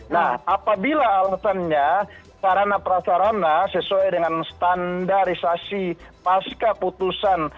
nah apabila alasannya sarana prasarana sesuai dengan standarisasi pasca putusan